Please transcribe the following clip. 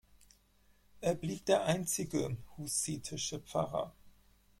Er blieb der einzige hussitische Pfarrer.